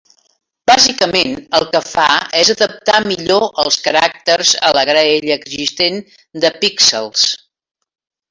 Bàsicament, el que fa és adaptar millor els caràcters a la graella existent de píxels.